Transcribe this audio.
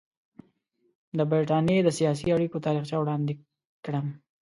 د برټانیې د سیاسي اړیکو تاریخچه وړاندې کړم.